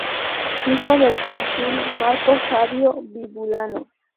Hijo del cónsul Marco Fabio Vibulano.